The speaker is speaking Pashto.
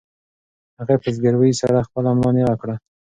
هغې په زګیروي سره خپله ملا نېغه کړه.